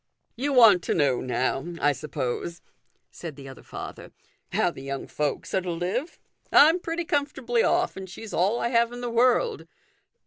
" You want to know, now, I suppose," said the other father, " how the young folks are to live? I'm pretty comfortably off, and she's all I have in the world."